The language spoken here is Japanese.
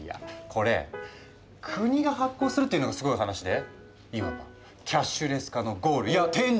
これ国が発行するっていうのがすごい話でいわばキャッシュレス化のゴールいや天竺。